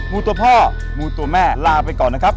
ูตัวพ่อมูตัวแม่ลาไปก่อนนะครับ